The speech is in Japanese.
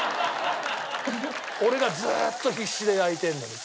俺がずーっと必死で焼いてるのに。